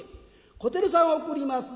小照さん送ります。